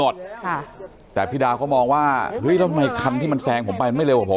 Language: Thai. ช่ายพิดาเขามองว่าเรื่องทางที่มันแซงผมไปไม่เร็วกับผม